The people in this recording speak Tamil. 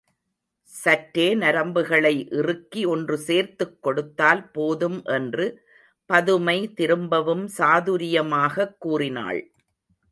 சற்றே நரம்புகளை இறுக்கி ஒன்று சேர்த்துக் கொடுத்தால் போதும் என்று பதுமை திரும்பவும் சாதுரியமாகக் கூறினாள்.